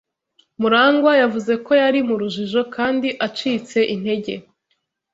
Murangwa yavuze ko yari mu rujijo kandi acitse intege.